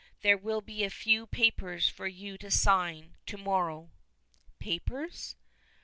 There will be a few papers for you to sign to morrow " "Papers?"